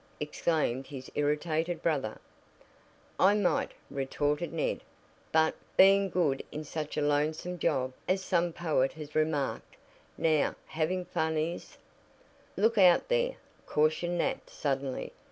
exclaimed his irritated brother. "I might," retorted Ned, "but, being good is such a lonesome job, as some poet has remarked. Now, having fun is " "Look out there!" cautioned Nat suddenly.